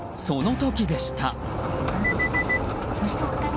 その時でした。